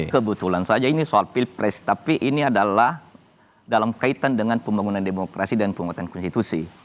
kebetulan saja ini soal pilpres tapi ini adalah dalam kaitan dengan pembangunan demokrasi dan penguatan konstitusi